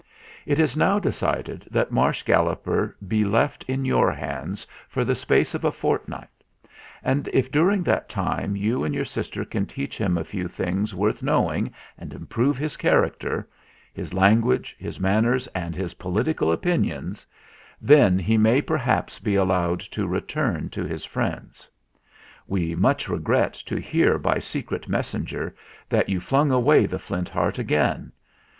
It is now decided that Marsh Gal loper be left in your hands for the space of a fortnight; and if, during that time, you and your sister can teach him a few things worth knowing and improve his character, his THE GALLOPER'S SCHOOLING 221 language, his manners, and his political opinions, then he may perhaps be allowed to return to his friends. We much regret to hear by secret messenger that you flung away the Flint Heart again.